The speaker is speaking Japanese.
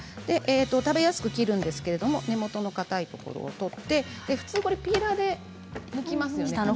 食べやすく切るんですけれども根元のかたいところを取って普通はピーラーでむきますよね。